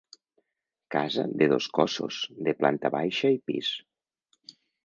Casa de dos cossos, de planta baixa i pis.